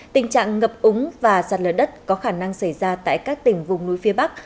tình trạng ngập úng và sạt lở đất có khả năng xảy ra tại các tỉnh vùng núi phía bắc